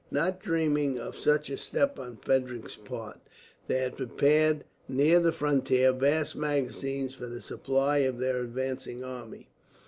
Not dreaming of such a step on Frederick's part, they had prepared, near the frontier, vast magazines for the supply of their advancing army.